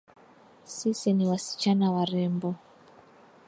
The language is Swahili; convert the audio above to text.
Sisi ni wasichana warembo